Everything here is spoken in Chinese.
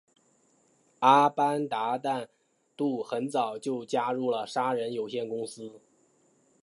阿班旦杜很早就加入了杀人有限公司。